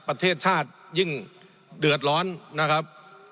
ประเทศชาติยิ่งเดือดร้อนนะครับ